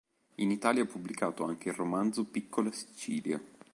In Italia ha pubblicato anche il romanzo "Piccola Sicilia".